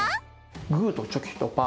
グーとチョキとパー。